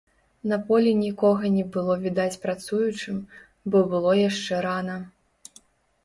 На полі нікога не было відаць працуючым, бо было яшчэ рана.